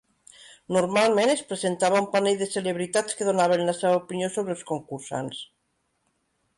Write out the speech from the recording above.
Normalment es presentava un panell de celebritats que donaven la seva opinió sobre els concursants.